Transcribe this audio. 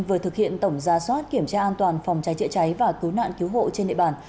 vừa thực hiện tổng gia soát kiểm tra an toàn phòng trái trịa trái và cứu nạn cứu hộ trên địa bàn